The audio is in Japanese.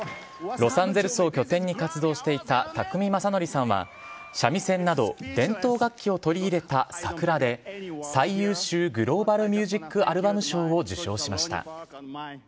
ロサンゼルスを拠点に活動していた宅見将典さんは、三味線など、伝統楽器を取り入れたサクラで、最優秀グローバル・ミュージック・アルバム賞を受賞しました。